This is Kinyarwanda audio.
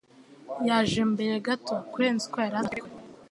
Yaje mbere gato kurenza uko yari asanzwe abikora.